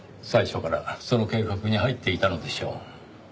最初からその計画に入っていたのでしょう。